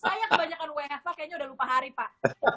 saya kebanyakan wfh kayaknya udah lupa hari pak